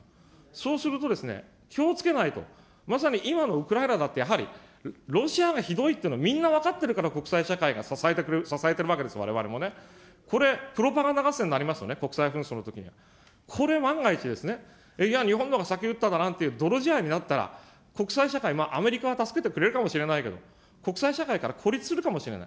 そうすると、気をつけないと、まさに今のウクライナだってやはりロシアがひどいっていうの、みんな分かってるから、国際社会が支えてるわけです、われわれもね。これ、プロパガンダ合戦になりますよね、国際紛争のときには。これ、万が一、いや、日本のほうが先撃っただなんて泥仕合になったら、国際社会、まあアメリカは助けてくれるかもしれないけれど、国際社会から孤立するかもしれない。